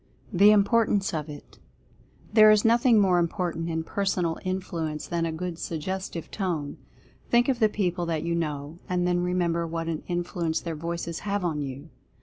THE IMPORTANCE OF IT. There is nothing more important in Personal Influ ence than a good Suggestive Tone. Think of the people that you know, and then remember what an influence their voices have on you.